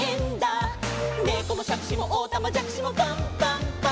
「ねこもしゃくしもおたまじゃくしもパンパンパン！！」